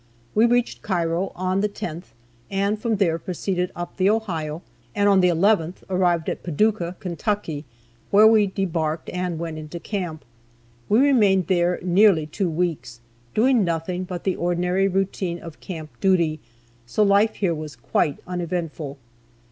We reached Cairo on the 10th, and from there proceeded up the Ohio, and on the 11th arrived at Paducah, Kentucky, where we debarked, and went into camp. We remained here nearly two weeks, doing nothing but the ordinary routine of camp duty, so life here was quite uneventful.